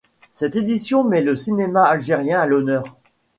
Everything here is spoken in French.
Cette édition met le cinéma algérien à l'honneur.